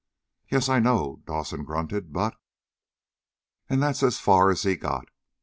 "Yes, I know," Dawson grunted. "But " And that's as far as he got.